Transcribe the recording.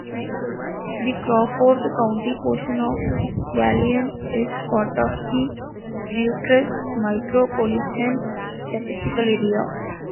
The Crawford County portion of Galion is part of the Bucyrus Micropolitan Statistical Area.